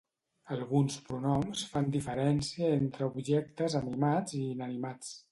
Alguns pronoms fan diferència entre objectes animats i inanimats.